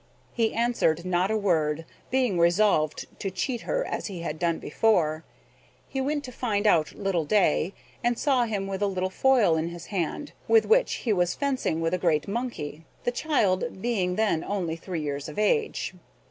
He answered not a word, being resolved to cheat her as he had done before. He went to find out little Day, and saw him with a little foil in his hand, with which he was fencing with a great monkey, the child being then only three years of age.